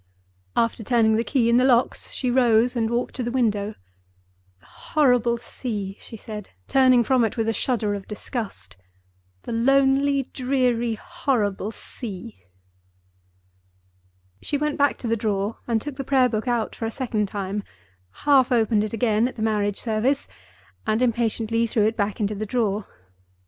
After turning the key in the locks, she rose and walked to the window. "The horrible sea!" she said, turning from it with a shudder of disgust—"the lonely, dreary, horrible sea!" She went back to the drawer, and took the Prayer book out for the second time, half opened it again at the Marriage Service, and impatiently threw it back into the drawer.